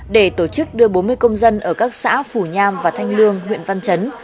để tổ chức đưa bốn mươi công dân ở các xã phủ nham và thanh lương huyện văn chấn